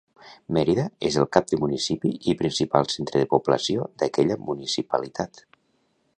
Mérida és el cap de municipi i principal centre de població d'aquella municipalitat.